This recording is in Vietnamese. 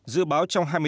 dự báo truyền thông